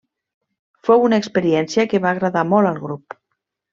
Fou una experiència que va agradar molt al grup.